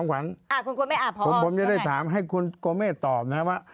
ครับคุณจอมขวัญผมจะได้ถามให้คุณโกเมฆตอบนะ